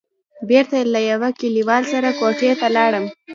بېرته له يوه کليوال سره کوټې ته ولاړم.